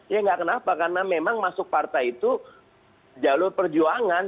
ya nggak kenapa karena memang masuk partai itu jalur perjuangan